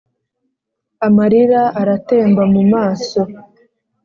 amarira aratemba mu maso.